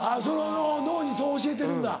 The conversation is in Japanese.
脳にそう教えてるんだ。